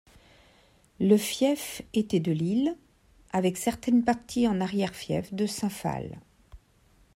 Le fief était de l'Isle avec certaines parties en arrière fief de Saint-Phal.